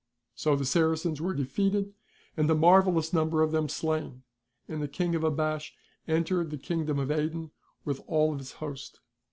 So the Saracens were defeated, and a marvellous number of them slain, and the King of Abash entered the Kingdom of Aden with all his host.